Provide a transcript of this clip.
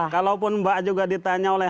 kalaupun mbak juga ditanya oleh